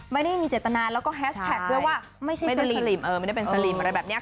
ไม่ได้มีเจตนาแล้วก็แฮสแท็กด้วยว่าไม่ใช่ไม่ได้เป็นเออไม่ได้เป็นอะไรแบบเนี้ย